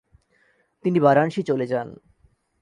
তিনি বারানসী চলে যান।